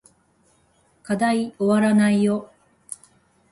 課題おわらないよ